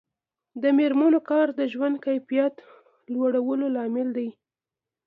د میرمنو کار د ژوند کیفیت لوړولو لامل دی.